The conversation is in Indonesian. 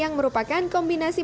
yang merupakan kombinasi